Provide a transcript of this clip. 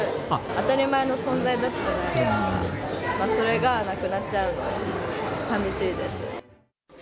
当たり前の存在だったじゃないですか、それがなくなっちゃうのがさみしいです。